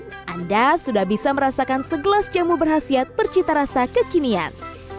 dan anda sudah bisa merasakan segelas jamu berhasil percinta rasa kekinian